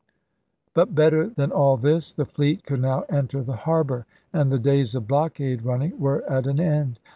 But, better than all this, the fleet could now enter the harbor, and the days of blockade running were at an end.